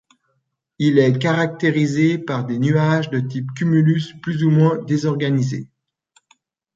Il est caractérisé par des nuages de type cumulus plus ou moins désorganisés.